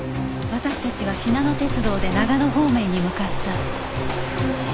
私たちはしなの鉄道で長野方面に向かった